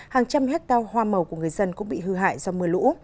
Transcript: hàng trăm hecta hoa màu của người dân cũng bị hư hại do mưa lũ